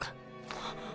あっ。